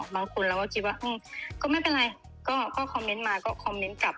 บางคนเราก็คิดว่าก็ไม่เป็นไรก็คอมเมนต์มาก็คอมเมนต์กลับ